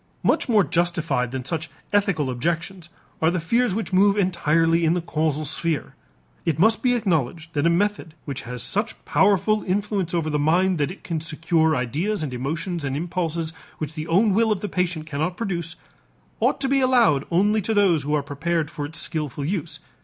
Much more justified than such ethical objections are the fears which move entirely in the causal sphere. It must be acknowledged that a method which has such powerful influence over the mind that it can secure ideas and emotions and impulses which the own will of the patient cannot produce, ought to be allowed only to those who are prepared for its skillful use.